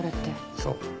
そう。